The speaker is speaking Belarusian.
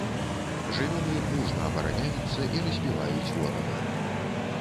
Жывёлы мужна абараняюцца і разбіваюць ворага.